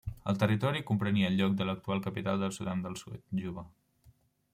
El territori comprenia el lloc de l'actual capital del Sudan del Sud, Juba.